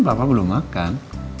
papa belum makan